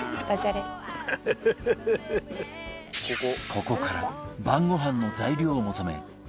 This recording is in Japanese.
ここから晩ごはんの材料を求め